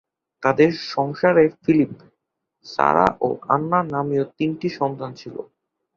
তাদের সংসারে Philip, Sara ও আন্না নামীয় তিন সন্তান ছিল।